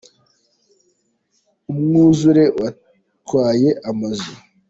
umwuzure watwaye amazu